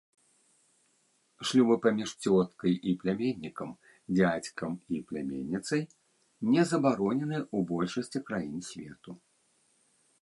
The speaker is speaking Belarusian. Шлюбы паміж цёткай і пляменнікам, дзядзькам і пляменніцай не забаронены ў большасці краін свету.